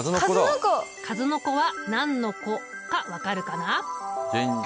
数の子は何の子か分かるかな？